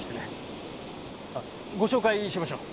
ご紹介しましょう。